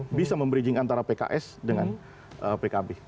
ya bisa memberaging antara pks dengan pkb